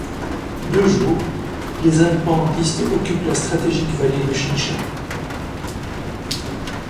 Deux jours, les indépendantistes occupent la stratégique vallée de Chincha.